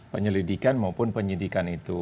penyelidikan maupun penyidikan itu